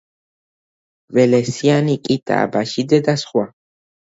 გველესიანი, კიტა აბაშიძე და სხვა.